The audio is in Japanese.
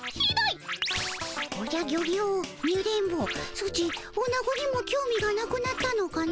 ソチおなごにもきょう味がなくなったのかの？